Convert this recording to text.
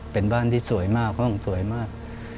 เป็นบ้านที่สวยมากห้องสวยมาก